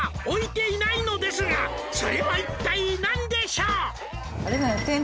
「おいていないのですがそれは一体何でしょう？」